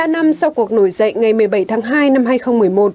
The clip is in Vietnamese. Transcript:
một mươi năm năm sau cuộc nổi dậy ngày một mươi bảy tháng hai năm hai nghìn một mươi một